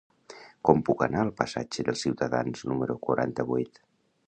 Com puc anar al passatge dels Ciutadans número quaranta-vuit?